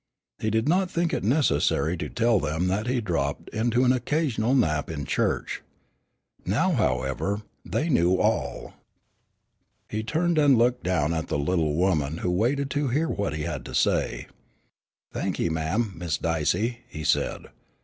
He did not think it necessary to tell them that he dropped into an occasional nap in church. Now, however, they knew all. He turned and looked down at the little woman, who waited to hear what he had to say. "Thankye, ma'am, Sis' Dicey," he said.